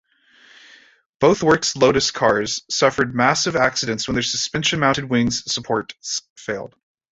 Both works Lotus cars suffered massive accidents when their suspension-mounted wing supports failed.